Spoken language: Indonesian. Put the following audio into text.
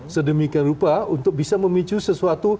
sedemikian rupa untuk bisa memicu sesuatu